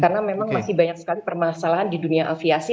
karena memang masih banyak sekali permasalahan di dunia aviasi